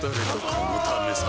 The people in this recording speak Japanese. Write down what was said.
このためさ